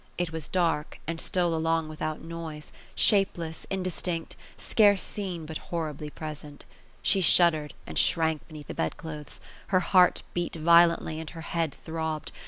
It was dark, and stole along without noise ; shapeless, indistinct, scarce seen, but horribly present. She shuddered ; and shrank beneath the bed clothes. Iler heart beat violently, and her head throbbed.